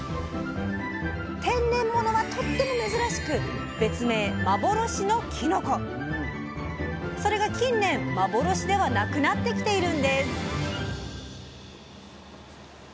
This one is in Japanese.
天然物はとっても珍しく別名それが近年「幻」ではなくなってきているんです！